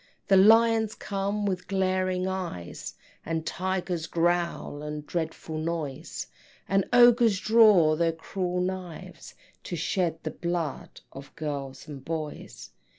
Then lions come with glaring eyes, And tigers growl, a dreadful noise, And ogres draw their cruel knives, To shed the blood of girls and boys.